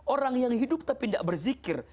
orang yang hidup tapi tidak berzikir